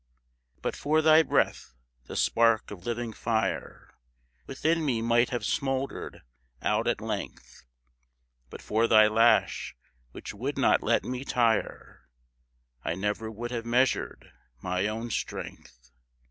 But for thy breath, the spark of living fire Within me might have smoldered out at length; But for thy lash which would not let me tire, I never would have measured my own strength.